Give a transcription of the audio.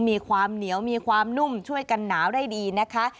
มีความเหนียวมีความนุ่มช่วยกันหนาวได้ดีนะคะ